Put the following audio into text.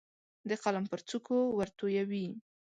د قلم پر څوکو ورتویوي